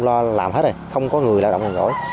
lo làm hết rồi không có người lao động nhàn rỗi